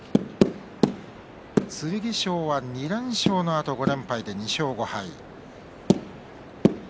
剣翔は２連勝のあと５連敗で２勝５敗です。